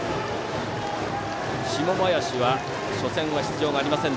下林は初戦、出場がありません。